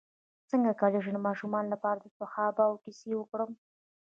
څنګه کولی شم د ماشومانو لپاره د صحابه وو کیسې وکړم